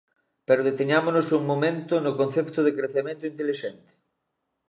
Pero deteñámonos un momento no concepto de crecemento intelixente.